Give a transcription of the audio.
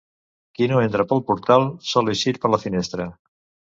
Qui no entra pel portal, sol eixir per la finestra.